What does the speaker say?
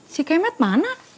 si kemet mana